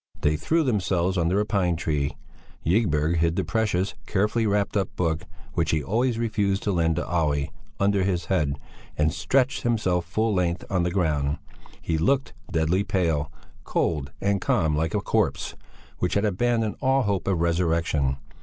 They threw themselves under a pine tree; Ygberg hid the precious, carefully wrapped up book, which he always refused to lend to Olle, under his head, and stretched himself full length on the ground; he looked deadly pale, cold and calm like a corpse which has abandoned all hope of resurrection.